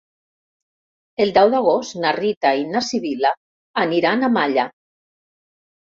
El deu d'agost na Rita i na Sibil·la aniran a Malla.